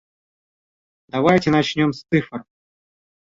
Давайте начнем с цифр.